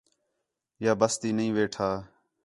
یا بس تی نہیں ویٹھا